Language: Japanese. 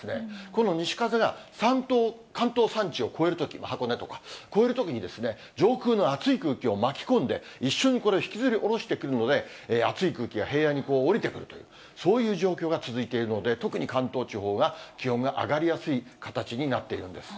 この西風が、関東山地を越えるとき、箱根とか、越えるときに上空の熱い空気を巻き込んで、一緒にこれを引きずり下ろしてくるので、熱い空気が平野に降りてくると、そういう状況が続いているので、特に関東地方が気温が上がりやすい形になっているんです。